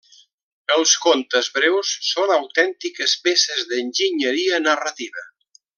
Els contes breus són autèntiques peces d'enginyeria narrativa.